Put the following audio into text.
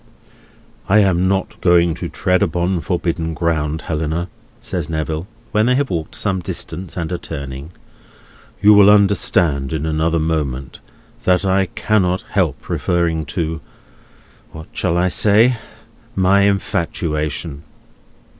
"I am not going to tread upon forbidden ground, Helena," says Neville, when they have walked some distance and are turning; "you will understand in another moment that I cannot help referring to—what shall I say?—my infatuation."